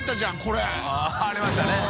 あっありましたね。